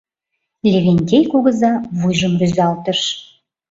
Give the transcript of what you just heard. Левентей кугыза вуйжым рӱзалтыш: